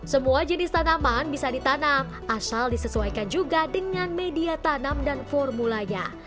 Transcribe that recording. semua jenis tanaman bisa ditanam asal disesuaikan juga dengan media tanam dan formulanya